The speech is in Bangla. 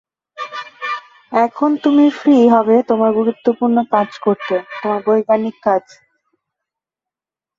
এখন তুমি ফ্রি হবে তোমার গুরুত্বপূর্ণ কাজ করতে, তোমার বৈজ্ঞানিক কাজ।